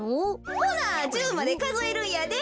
ほな１０までかぞえるんやで。